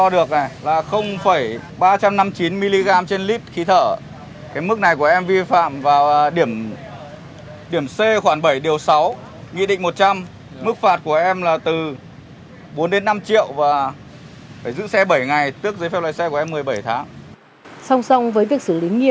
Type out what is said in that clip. song song với việc xử lý nghiêm những đối tượng ma men cố tình điều khiển phương tiện tham gia giao thông sau khi uống rượu bia